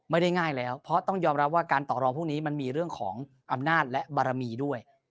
ไม่ได้ง่ายแล้วเพราะต้องยอมรับว่าการต่อรองพวกนี้มันมีเรื่องของอำนาจและบารมีด้วย